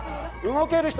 動ける人。